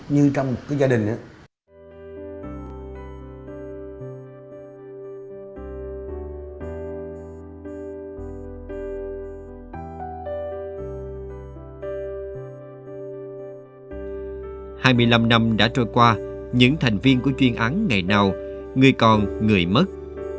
hai mươi năm năm đã trôi qua những thành viên của chuyên án ngày nào người còn người mất